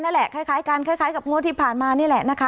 คล้ายกันคล้ายกับงวดที่ผ่านมานี่แหละนะคะ